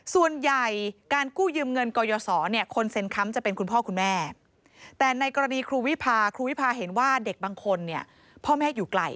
ส่วนใหญ่การกู้ยืมเงินกยศเนี่ยคนเซ็นค้ำจะเป็นคุณพ่อคุณแม่แต่ในกรณีครูวิพาครูวิพาเห็นว่าเด็กบางคนเนี่ยพ่อแม่อยู่ไกล